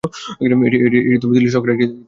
এটি দিল্লি সরকারের একটি স্বশাসিত সংস্থা।